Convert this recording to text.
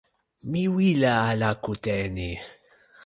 mi wile ala kute e ni.